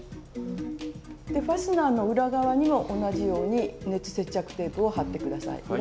ファスナーの裏側にも同じように熱接着テープを貼って下さい。